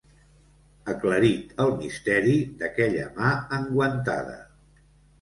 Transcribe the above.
...aclarit el misteri d'aquella mà enguantada